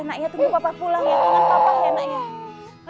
kangen papa ya nak ya